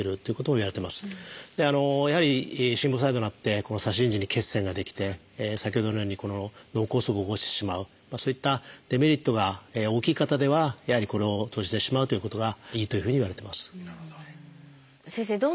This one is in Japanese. やはり心房細動になって左心耳に血栓が出来て先ほどのように脳梗塞を起こしてしまうそういったデメリットが大きい方ではやはりこれを閉じてしまうということがいいというふうにいわれてます。